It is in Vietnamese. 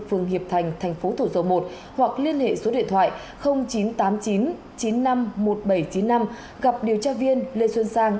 phường hiệp thành thành phố thủ dầu một hoặc liên hệ số điện thoại chín trăm tám mươi chín chín mươi năm một nghìn bảy trăm chín mươi năm gặp điều tra viên lê xuân sang